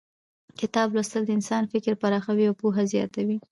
کتاب لوستل د انسان فکر پراخوي او پوهه زیاتوي